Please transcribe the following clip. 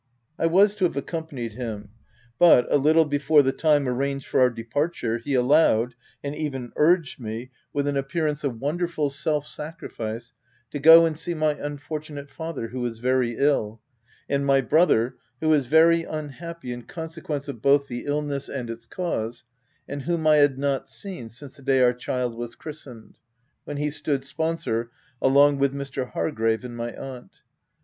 I was to have accompanied him, but, a little before the time arranged for our departure, he allowed — and even urged me, with an appear 210 THE TENANT. ance of wonderful self sacrifice, to go and see my unfortunate father, who is very ill, and my brother, who is very unhappy in consequence of both the illness and its cause, and whom I had not seen since the day our child was christened, when he stood sponsor along with Mr. Hargrave and my aunt.